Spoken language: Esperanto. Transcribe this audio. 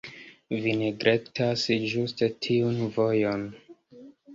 Vi neglektas ĝuste tiun vojon.